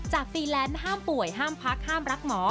ฟรีแลนซ์ห้ามป่วยห้ามพักห้ามรักหมอ